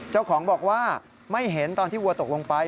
เจ้าของบอกว่าไม่เห็นตอนที่วัวตกลงไป